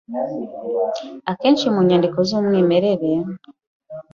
Akenshi, mu nyandiko z’umwimerere,